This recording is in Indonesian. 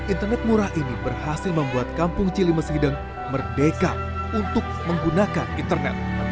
internet murah ini berhasil membuat kampung cilimes hideng merdeka untuk menggunakan internet